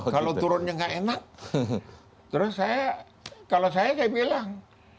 kalau turunnya nggak enak terus saya kalau saya saya bilang